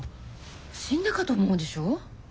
死んだかと思うでしょ。